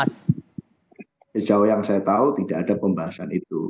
sejauh yang saya tahu tidak ada pembahasan itu